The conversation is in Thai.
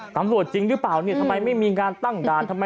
ตำรวจจริงหรือเปล่าทำไมไม่มีงานตั้งด่าน